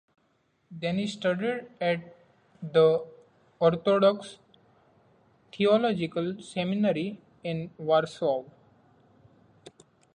Then he studied at the Orthodox Theological Seminary in Warsaw.